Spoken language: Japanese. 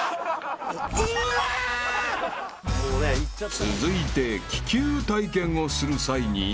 ［続いて気球体験をする際に］